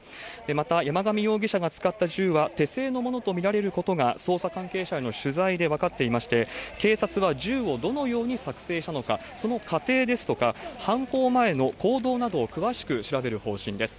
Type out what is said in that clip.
また、山上容疑者が使った銃は、手製のものと見られることが捜査関係者への取材で分かっていまして、警察は銃をどのように作成したのか、その過程ですとか、犯行前の行動などを詳しく調べる方針です。